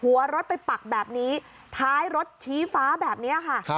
หัวรถไปปักแบบนี้ท้ายรถชี้ฟ้าแบบนี้ค่ะ